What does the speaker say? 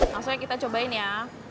langsung aja kita cobain ya